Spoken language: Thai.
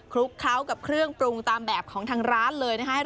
ลุกเคล้ากับเครื่องปรุงตามแบบของทางร้านเลยนะคะ